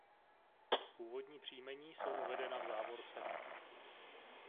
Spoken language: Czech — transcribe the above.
Původní příjmení jsou uvedena v závorce.